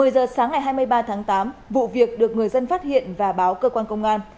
một mươi giờ sáng ngày hai mươi ba tháng tám vụ việc được người dân phát hiện và báo cơ quan công an